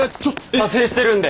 撮影してるんで。